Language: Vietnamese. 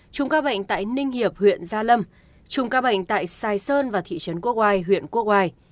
chung ca bệnh tại ninh hiệp huyện gia lâm chung ca bệnh tại sai sơn và thị trấn quốc oai huyện quốc oai